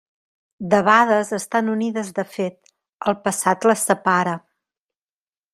Debades estan unides de fet; el passat les separa.